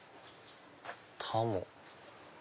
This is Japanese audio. タモ。